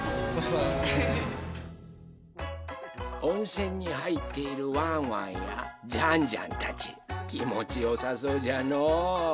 温泉にはいっているワンワンやジャンジャンたちきもちよさそうじゃのう。